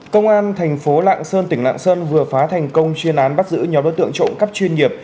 công an thành phố lạng sơn tỉnh lạng sơn vừa phá thành công chuyên án bắt giữ nhóm đối tượng trộm cắp chuyên nghiệp